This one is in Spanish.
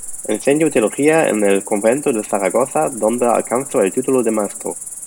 Enseñó Teología en el convento de Zaragoza, donde alcanzó el título de maestro.